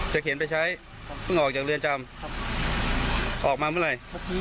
เข็นไปใช้เพิ่งออกจากเรือนจำออกมาเมื่อไหร่